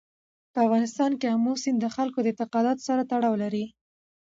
په افغانستان کې آمو سیند د خلکو د اعتقاداتو سره تړاو لري.